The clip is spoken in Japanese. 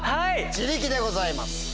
自力でございます。